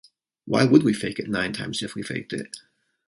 Why would we fake it nine times, if we faked it?